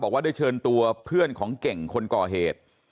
ว่าได้เชิญตัวเพื่อนของเก่งคนก่อเหตุ